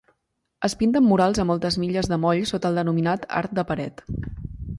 Es pinten murals a moltes milles de moll sota el denominat "art de paret".